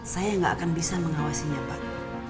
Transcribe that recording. saya nggak akan bisa mengawasinya pak